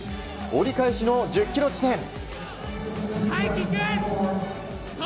折り返しの１０ｋｍ地点。